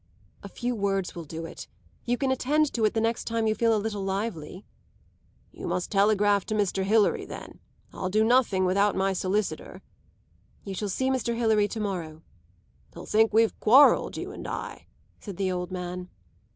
"A few words will do it; you can attend to it the next time you feel a little lively." "You must telegraph to Mr. Hilary then. I'll do nothing without my solicitor." "You shall see Mr. Hilary to morrow." "He'll think we've quarrelled, you and I," said the old man.